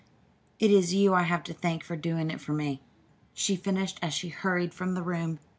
"It is you I have to thank for doing it for me," she finished as she hurried from the room.